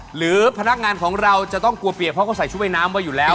หรือพนักงานของเราจะต้องกลัวเปียกเพราะเขาใส่ชุดว่ายน้ำไว้อยู่แล้ว